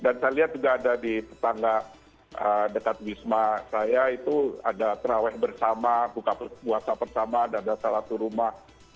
dan saya lihat juga ada di petangga dekat bisma saya itu ada terawet bersama buka puasa bersama ada salah satu rumah